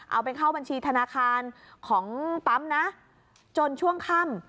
เอาไปเข้าบัญชีธนาคารของปั๊มนะจนช่วงค่ำ